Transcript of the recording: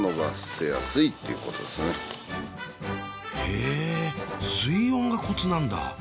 へえ水温がコツなんだ。